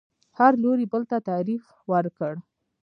هر لوري بل ته تعریف ورکړ